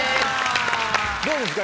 どうですか？